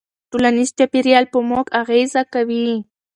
ټولنیز چاپېریال په موږ اغېزه کوي.